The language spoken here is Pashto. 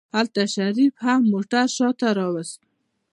هلته شريف هم موټر شاته راوست.